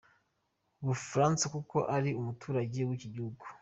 Bufaransa kuko ari umuturage wiki gihugu.